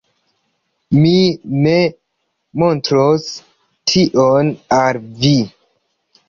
Mi ne montros tion al vi